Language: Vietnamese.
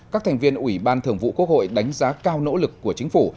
các thành viên ủy ban thường vụ quốc hội đánh giá cao nỗ lực của chính phủ